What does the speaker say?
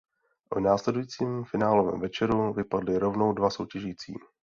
V následujícím finálovém večeru vypadli rovnou dva soutěžící.